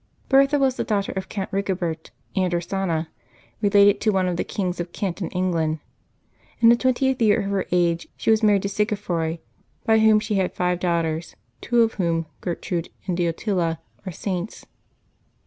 ©ERTHA was the daughter of Count Eigobert and Hrs ana, related to one of the kings of Kent in England. In the twentieth year of her age she was married to Sige froi, by whom she had five daughters, two of whom, Ger trude and Deotila, are Saints.